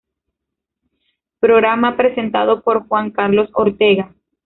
Programa presentado por Juan Carlos Ortega.